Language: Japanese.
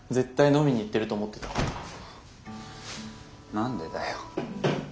何でだよ。